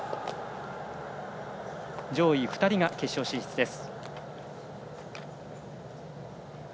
上位２人が決勝進出です。